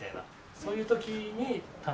そういう時に頼む。